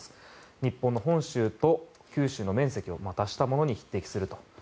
日本の本州と九州の面積を足したものに匹敵すると。